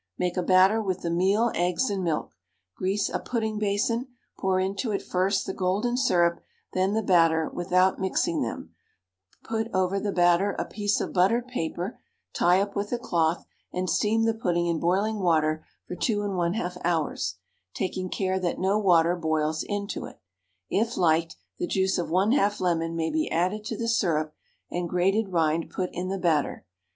Make a batter with the meal, eggs, and milk; grease a pudding basin, pour into it first the golden syrup, then the batter without mixing them; put over the batter a piece of buttered paper, tie up with a cloth, and steam the pudding in boiling water for 2 1/2 hours, taking care that no water boils into it. If liked, the juice of 1/2 lemon may be added to the syrup and grated rind put in the batter.